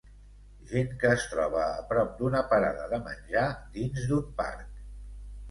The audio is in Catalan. Gent que es troba a prop d'una parada de menjar dins d'un parc